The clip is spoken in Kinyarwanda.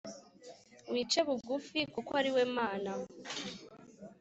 wice bugufi - kukw’ari we Mana.